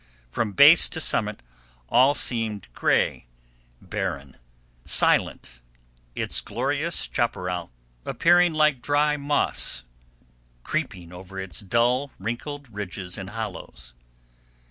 From base to summit all seemed gray, barren, silent, its glorious chaparral appearing like dry moss creeping over its dull, wrinkled ridges and hollows.